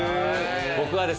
僕はですね